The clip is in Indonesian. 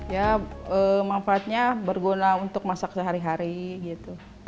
ya manfaatnya berguna untuk masak sehari hari gitu